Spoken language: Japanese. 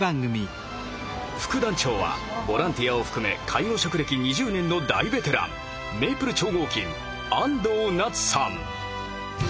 副団長はボランティアを含め介護職歴２０年の大ベテランメイプル超合金安藤なつさん」。